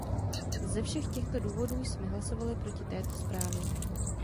Ze všech těchto důvodů jsme hlasovali proti této zprávě.